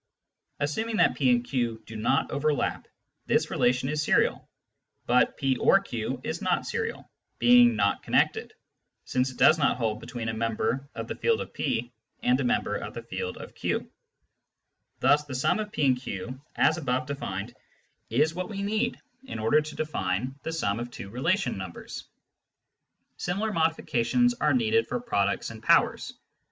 Assuming that P and Q do not overlap, this relation is serial, but " P or Q " is not serial, being not connected, since it does not hold between a member of the field of P and a member of the field of Q. Thus the sum of P and Q, as above defined, is what we need in order 58 Introduction to Mathematical Philosophy to define the sum of two relation numbers. Similar modifica tions are needed for products and powers.